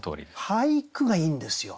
俳句がいいんですよ。